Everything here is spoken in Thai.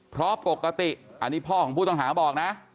เพราะปกติอันนี้พ่อของผู้ต้องหาบอกนะ